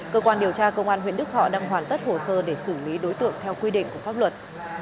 cơ quan điều tra công an huyện đức thọ đang hoàn tất hồ sơ để xử lý đối tượng theo quy định của pháp luật